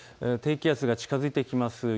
低気圧が近づいてきます。